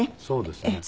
そうですね。